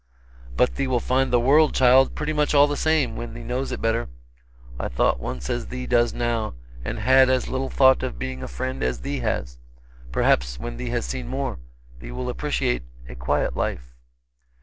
"But thee will find the world, child, pretty much all the same, when thee knows it better. I thought once as thee does now, and had as little thought of being a Friend as thee has. Perhaps when thee has seen more, thee will better appreciate a quiet life."